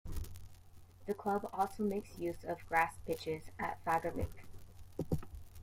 The club also makes use of grass pitches at Fagervik.